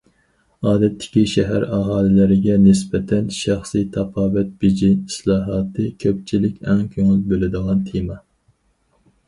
ئادەتتىكى شەھەر ئاھالىلىرىگە نىسبەتەن شەخسىي تاپاۋەت بېجى ئىسلاھاتى كۆپچىلىك ئەڭ كۆڭۈل بۆلىدىغان تېما.